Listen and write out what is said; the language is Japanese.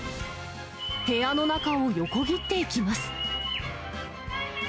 部屋の中を横切っていきます。